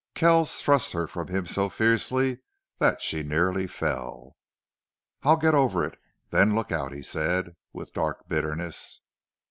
Kells thrust her from him so fiercely that she nearly fell. "I'll get over it.... Then look out!" he said, with dark bitterness.